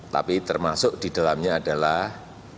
tapi termasuk di dalamnya adalah